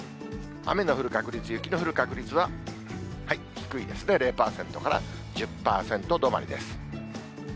雨の降る確率、雪の降る確率は低いですね、０％から１０％止まりです。